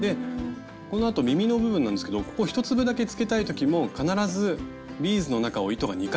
このあと耳の部分なんですけどここ１粒だけつけたい時も必ずビーズの中を糸が２回通るようにしましょう。